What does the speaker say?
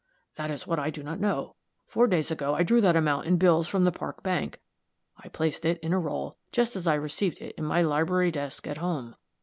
"That is what I do not know. Four days ago I drew that amount in bills from the Park Bank. I placed it, in a roll, just as I received it, in my library desk, at home.